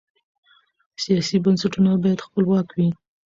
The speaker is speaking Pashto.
سیاسي بنسټونه باید خپلواک وي